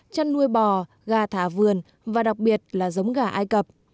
chăn nuôi bò gà thả vườn và đặc biệt là giống gà ai cập